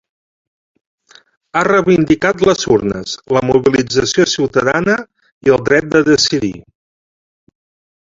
Ha reivindicat les urnes, la mobilització ciutadana i el dret de decidir.